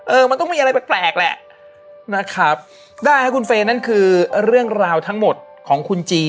มันต้องมีอะไรแปลกแหละนะครับได้ครับคุณเฟย์นั่นคือเรื่องราวทั้งหมดของคุณจี